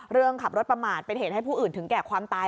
ขับรถประมาทเป็นเหตุให้ผู้อื่นถึงแก่ความตาย